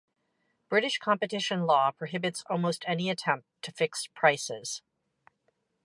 British competition law prohibits almost any attempt to fix prices.